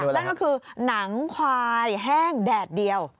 นั่นก็คือหนังควายแห้งแดดเดียว